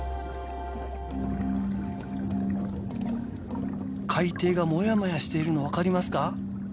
海底がもやもやしているの分かりますか？